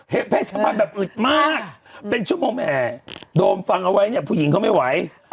เพศสัมพันธ์แบบอึดมากเป็นชั่วโมงแหมโดมฟังเอาไว้เนี่ยผู้หญิงเขาไม่ไหว